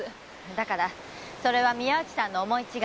だからそれは宮内さんの思い違いで。